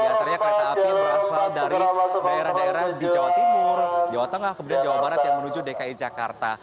di antaranya kereta api berasal dari daerah daerah di jawa timur jawa tengah kemudian jawa barat yang menuju dki jakarta